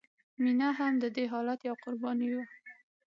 مینه هم د دې حالت یوه قرباني وه